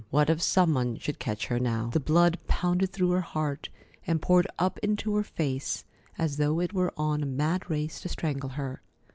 What if some one should catch her now? The blood pounded through her heart, and poured up into her face, as though it were on a mad race to strangle her.